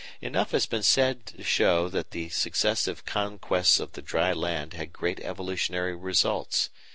Enough has been said to show that the successive conquests of the dry land had great evolutionary results.